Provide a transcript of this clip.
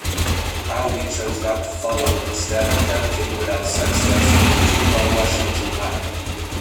Howe chose not to follow, instead attempting without success to draw Washington out.